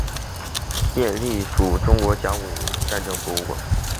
现隶属中国甲午战争博物馆。